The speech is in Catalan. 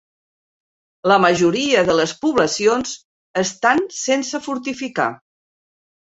La majoria de les poblacions estan sense fortificar.